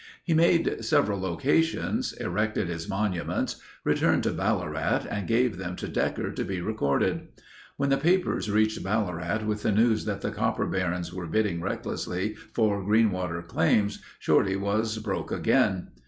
He made several locations, erected his monuments, returned to Ballarat and gave them to Decker to be recorded. When the papers reached Ballarat with the news that the copper barons were bidding recklessly for Greenwater claims Shorty was broke again.